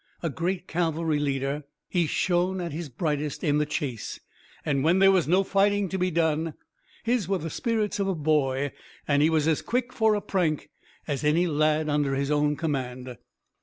A great cavalry leader, he shone at his brightest in the chase, and, when there was no fighting to be done, his were the spirits of a boy, and he was as quick for a prank as any lad under his own command.